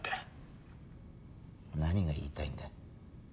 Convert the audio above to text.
何が言いたいんだ？